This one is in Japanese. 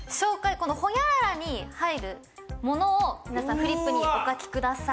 この「ほにゃらら」に入るものを皆さんフリップにお書きください。